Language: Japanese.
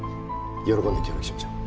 喜んで協力しましょう。